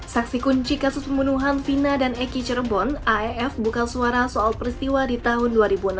saksi kunci kasus pembunuhan vina dan eki cirebon aef bukal suara soal peristiwa di tahun dua ribu enam belas